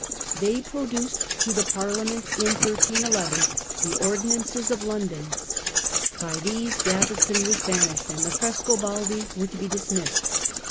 They produced to the Parliament in ancey of 131 1 the Ordinances of London. By these ^^°"' Gavestoh was banished, and the Frescobaldi were to be dismissed.